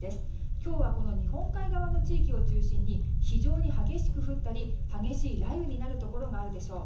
今日は日本海側の地域を中心に非常に激しく降ったり激しい雷雨になるところがあるでしょう。